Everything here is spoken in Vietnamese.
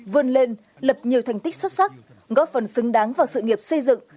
vươn lên lập nhiều thành tích xuất sắc góp phần xứng đáng vào sự nghiệp xây dựng